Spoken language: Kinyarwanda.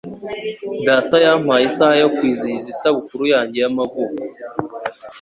Data yampaye isaha yo kwizihiza isabukuru yanjye y'amavuko.